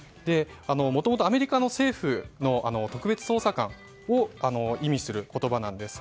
もともとアメリカの政府の特別捜査官を意味する言葉なんです。